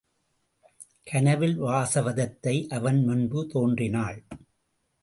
கனவில் வாசவதத்தை அவன் முன்பு தோன்றினாள்.